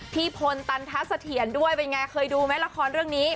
พลตันทะเสถียรด้วยเป็นไงเคยดูไหมละครเรื่องนี้